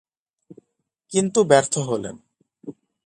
কিন্তু ব্যর্থ হলেন।